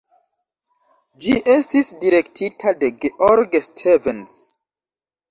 Ĝi estis direktita de George Stevens.